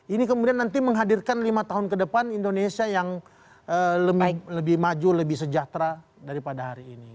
ini kemudian nanti menghadirkan lima tahun ke depan indonesia yang lebih maju lebih sejahtera daripada hari ini